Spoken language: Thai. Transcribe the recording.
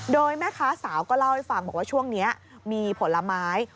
โดยแม่ค้าสาวก็เล่าให้ฟังบอกว่าช่วงนี้มีผลไม้